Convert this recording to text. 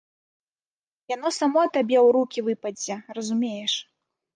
Яно само табе ў рукі выпадзе, разумееш.